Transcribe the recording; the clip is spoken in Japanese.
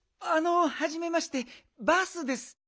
あのはじめましてバースです。